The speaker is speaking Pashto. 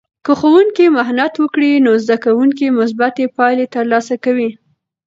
که ښوونکی محنت وکړي، نو زده کوونکې مثبتې پایلې ترلاسه کوي.